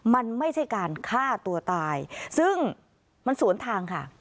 มันไม่ใช่การฆ่าตัวตายซึ่งมันสวนทางค่ะ